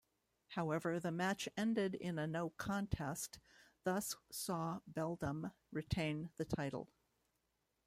However the match ended in a no contest thus saw Beldam retain the title.